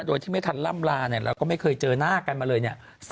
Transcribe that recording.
โดยที่ไม่ทันลำลาเราก็ไม่เคยเจอหน้ากันมาเลย